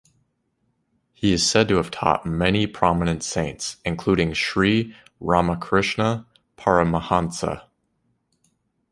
He is said to have taught many prominent saints, including Sri Ramakrishna Paramahansa.